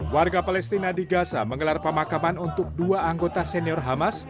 warga palestina di gaza menggelar pemakaman untuk dua anggota senior hamas